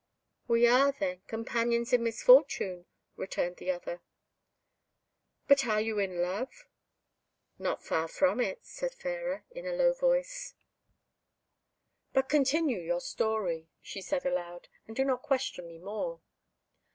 "We are, then, companions in misfortune," returned the other. "But are you in love?" "Not far from it," said Fairer, in a low voice; "but continue your story," said she aloud, "and do not question me more."